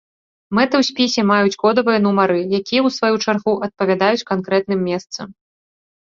Мэты ў спісе маюць кодавыя нумары, якія ў сваю чаргу адпавядаюць канкрэтным месцам.